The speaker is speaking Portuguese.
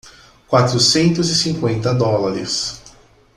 Quatrocentos e cinquenta dólares.